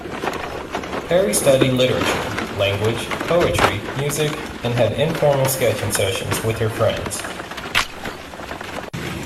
Perry studied literature, language, poetry, music and had informal sketching sessions with her friends.